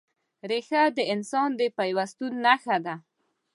ریښه د انسان د پیوستون نښه ده.